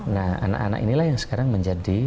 nah anak anak inilah yang sekarang menjadi